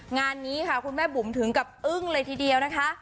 งานนี้ค่ะคุณแม่บุ๋มถึงกับอึ้งเลยทีเดียวนะคะ